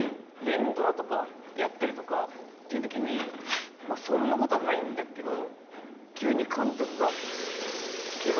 連ドラとかやったりとかっていうときにまぁそんなことはないんだけど。